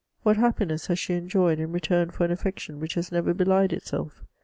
What happiness has she enjoyed in return for an affec tion which has never belied itself?